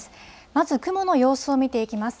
まず、雲の様子を見ていきます。